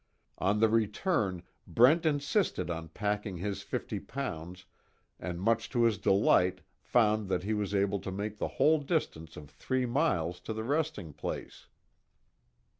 On the return Brent insisted on packing his fifty pounds and much to his delight found that he was able to make the whole distance of three miles to the resting place.